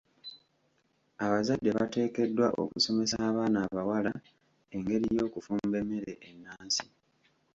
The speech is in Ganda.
Abazadde bateekeddwa okusomesa abaana abawala engeri y'okufumba emmere ennansi.